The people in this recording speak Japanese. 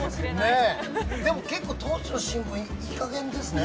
でも結構、当時の新聞いい加減ですね。